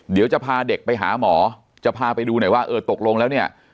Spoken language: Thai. เดี๋ยวจะพาเด็กไปหาหมอจะพาไปดูหน่อยว่าเออตกลงแล้วเนี่ย